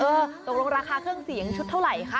ตกลงราคาเครื่องเสียงชุดเท่าไหร่คะ